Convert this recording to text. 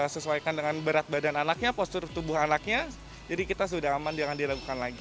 sesuaikan dengan berat badan anaknya postur tubuh anaknya jadi kita sudah aman jangan dilakukan lagi